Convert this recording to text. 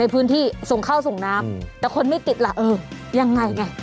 พื้นที่ส่งเข้าส่งน้ำแต่คนไม่ติดล่ะเออยังไงไง